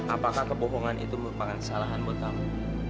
apakah kebohongan itu merupakan kesalahan buat kamu